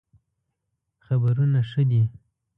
خبرونه ښه دئ